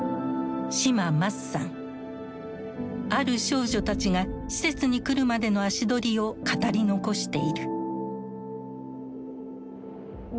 ある少女たちが施設に来るまでの足取りを語り残している。